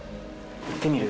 行ってみる？